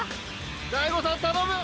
大悟さん頼む！